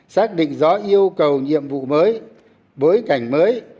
xác định rõ yêu cầu nhiệm vụ mới bối cảnh mới